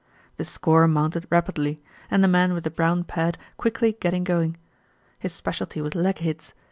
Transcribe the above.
The score mounted rapidly, the man with the brown pad quickly getting going. His specialty was leg hits.